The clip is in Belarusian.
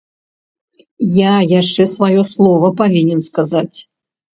Я яшчэ сваё слова павінен сказаць.